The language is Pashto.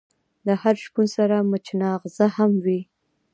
د هر شپون سره مچناغزه هم وی.